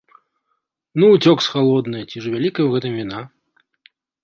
Ну уцёк з халоднае, ці ж вялікая ў гэтым віна!